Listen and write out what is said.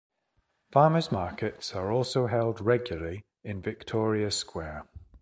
Farmers' markets are also held regularly in Victoria Square.